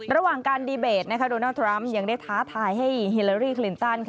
ระหว่างการดีเบตโดนัลดทรัมป์ยังได้ท้าทายให้ฮิลารี่คลินตัน